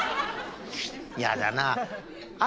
嫌だなあ。